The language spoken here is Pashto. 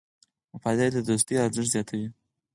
وفاداري د دوستۍ ارزښت زیاتوي.